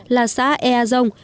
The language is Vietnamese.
là xã ea yông